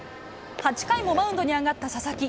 ８回もマウンドに上がった佐々木。